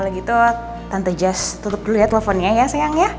kalau gitu tante jess tutup dulu ya teleponnya ya sayangnya